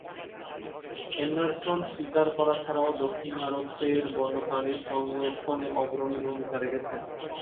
Anderson শিকার করা ছাড়াও দক্ষিণ ভারতের বন্যপ্রাণী সংরক্ষণে অগ্রণী ভূমিকা রেখেছেন।